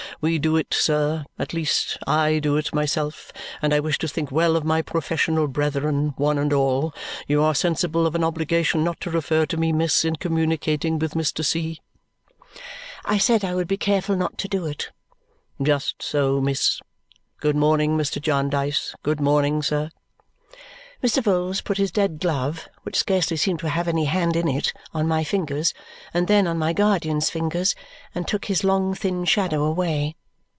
We do it, sir. At least, I do it myself; and I wish to think well of my professional brethren, one and all. You are sensible of an obligation not to refer to me, miss, in communicating with Mr. C.?" I said I would be careful not to do it. "Just so, miss. Good morning. Mr. Jarndyce, good morning, sir." Mr. Vholes put his dead glove, which scarcely seemed to have any hand in it, on my fingers, and then on my guardian's fingers, and took his long thin shadow away.